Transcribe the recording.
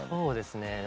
そうですね。